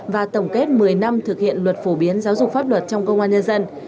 và tổng kết một mươi năm thực hiện luật phổ biến giáo dục pháp luật trong công an nhân dân